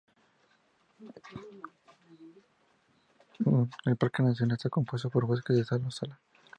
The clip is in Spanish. El parque nacional está compuesto por bosques de sal o sala.